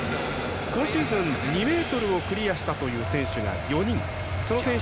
今シーズン２ｍをクリアした選手が５人。